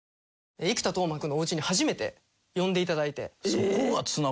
生田斗真君のおうちに初めて呼んでいただいて。